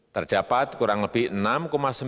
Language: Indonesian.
terdapat kurang lebih enam sembilan juta pengangguran